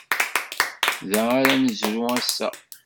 Da ara nezrew ass-a.